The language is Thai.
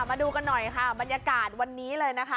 มาดูกันหน่อยค่ะบรรยากาศวันนี้เลยนะคะ